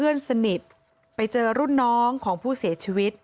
แม่ของผู้ตายก็เล่าถึงวินาทีที่เห็นหลานชายสองคนที่รู้ว่าพ่อของตัวเองเสียชีวิตเดี๋ยวนะคะ